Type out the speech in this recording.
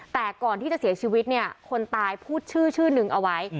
แต่ก่อนที่จะเสียชีวิตเนี่ยคนตายพูดชื่อชื่อนึงเอาไว้